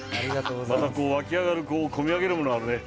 また湧き上がる、込み上げるものがあるね。